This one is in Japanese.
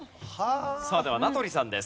さあでは名取さんです。